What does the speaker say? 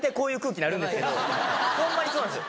ホンマにそうなんですよ。